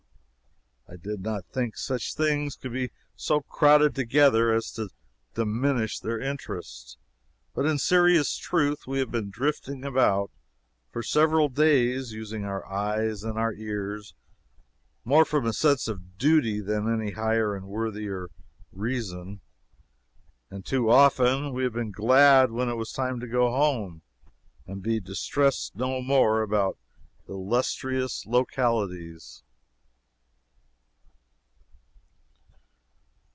I did not think such things could be so crowded together as to diminish their interest. But in serious truth, we have been drifting about, for several days, using our eyes and our ears more from a sense of duty than any higher and worthier reason. And too often we have been glad when it was time to go home and be distressed no more about illustrious localities.